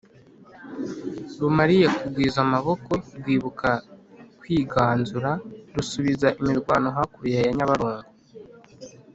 rumariye kugwiza amaboko, rwibuka kwiganzura: rusubiza imirwano hakurya ya nyabarongo,